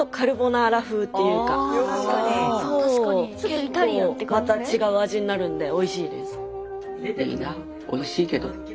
結構また違う味になるんでおいしいです。